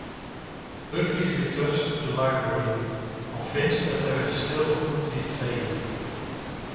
Buffy returns to the library, convinced that there is still good in Faith.